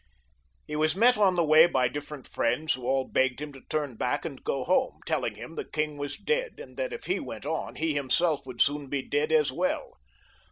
He was met on the way by different friends, who all begged him to turn back and go home, telling him the king was dead, and that if he went on, he himself would soon be dead as well.